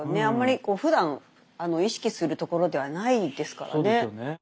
あんまりふだん意識するところではないですからね。